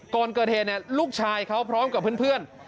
กลเกอเทลลูกชายเขาพร้อมกับเพื่อน